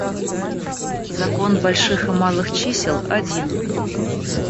Закон больших и малых чисел один.